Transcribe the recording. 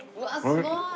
すごい！